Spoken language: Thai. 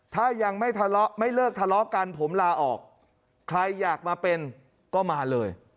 ถ้ายังไม่ทะเลาะไม่เลิกทะเลาะกันผมลาออกใครอยากมาเป็นก็มาเลย